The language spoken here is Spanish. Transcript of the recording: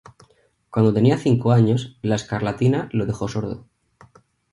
Cuando tenía cinco años la escarlatina lo dejó sordo.